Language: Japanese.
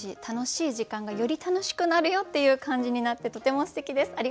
楽しい時間がより楽しくなるよっていう感じになってとてもすてきです。